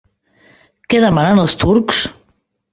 Què demanen els turcs?